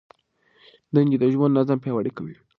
دندې د ژوند نظم پیاوړی کوي.